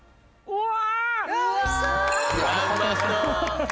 うわ！